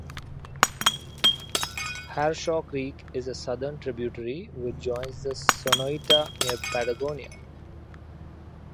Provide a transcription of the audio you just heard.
Harshaw Creek is a southern tributary which joins the Sonoita near Patagonia.